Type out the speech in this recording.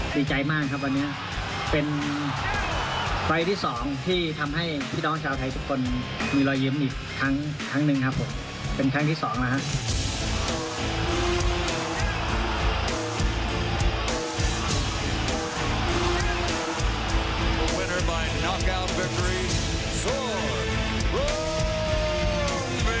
ดีใจมากครับวันนี้เป็นไฟล์ที่สองที่ทำให้พี่น้องชาวไทยทุกคนมีรอยยิ้มอีกครั้งหนึ่งครับผมเป็นครั้งที่สองแล้วครับ